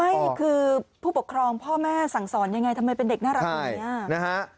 ไม่คือผู้ปกครองพ่อแม่สั่งสอนยังไงทำไมเป็นเด็กน่ารักตรงนี้นะฮะ